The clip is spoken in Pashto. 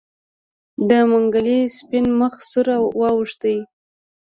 د منګلي سپين مخ سور واوښت.